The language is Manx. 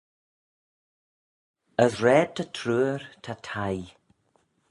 As raad ta troor ta teiy